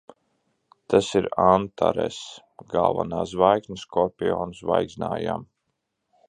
Tas ir Antaress. Galvenā zvaigzne Skorpiona zvaigznājā.